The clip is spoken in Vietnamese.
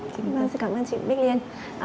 xin cảm ơn chị bích liên